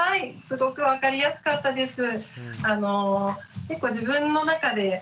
すごく分かりやすかったです。